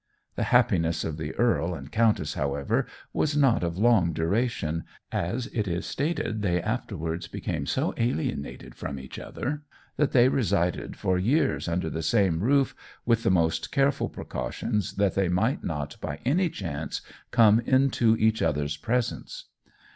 The happiness of the earl and countess, however, was not of long duration, as it is stated they afterwards became so alienated from each other, that they resided for years under the same roof with the most careful precautions that they might not by any chance come into each other's presence.